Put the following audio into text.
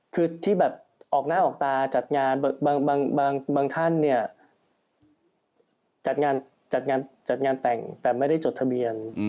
คือที่แบบออกหน้าออกตาจัดงานบางท่านเนี่ยจัดงานแต่งแต่ไม่ได้จดทะเบียน